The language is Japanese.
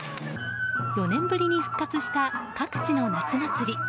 ４年ぶりに復活した各地の夏祭り。